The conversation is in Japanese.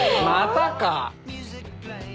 またか。